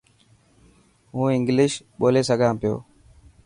هون انگلش ٻولي سکان پيو.